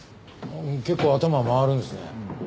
結構頭回るんですね。